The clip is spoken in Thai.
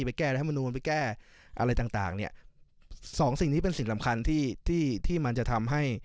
แก้รัฐมนูลไปแก้อะไรต่างต่างเนี่ยสองสิ่งนี้เป็นสิ่งสำคัญที่ที่มันจะทำให้